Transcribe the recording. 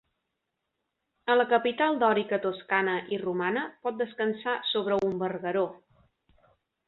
A la capital dòrica toscana i romana, pot descansar sobre un vergueró.